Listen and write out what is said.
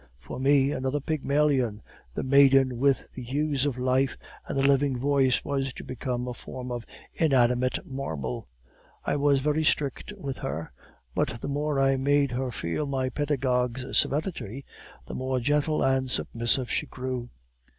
For me, another Pygmalion, the maiden with the hues of life and the living voice was to become a form of inanimate marble. I was very strict with her, but the more I made her feel my pedagogue's severity, the more gentle and submissive she grew.